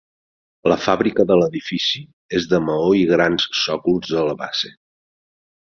La fàbrica de l'edifici és de maó i grans sòcols a la base.